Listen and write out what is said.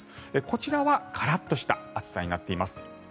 こちらはカラッとした暑さになっています。